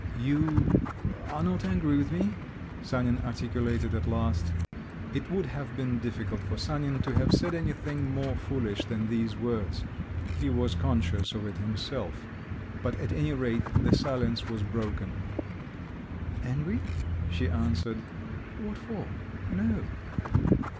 "You … are not angry with me?" Sanin articulated at last. It would have been difficult for Sanin to have said anything more foolish than these words … he was conscious of it himself…. But, at any rate, the silence was broken. "Angry?" she answered. "What for? No."